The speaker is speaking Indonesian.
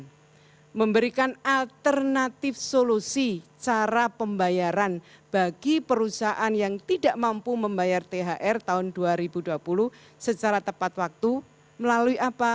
pemerintah memberikan alternatif solusi cara pembayaran bagi perusahaan yang tidak mampu membayar thr tahun dua ribu dua puluh secara tepat waktu melalui apa